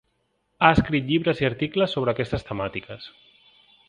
Ha escrit llibres i articles sobre aquestes temàtiques.